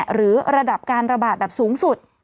หรือระดับการระบาดแบบสูงสุด